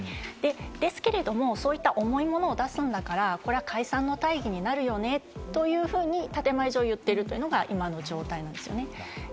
ですけれども、そういった重いものを出すんだから、これは解散の大義になるよねというふうに、建前上言っているというのが今の状態なんですよね。